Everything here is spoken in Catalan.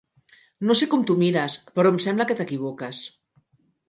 No sé com t'ho mires, però em sembla que t'equivoques.